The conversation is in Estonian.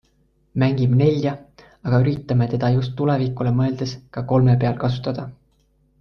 Mängib nelja, aga üritame teda just tulevikule mõeldes ka kolme peal kasutada.